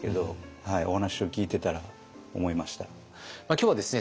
今日はですね